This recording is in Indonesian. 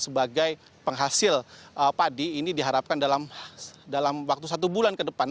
sebagai penghasil padi ini diharapkan dalam waktu satu bulan ke depan